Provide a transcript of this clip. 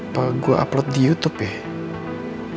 gue upload di youtube ya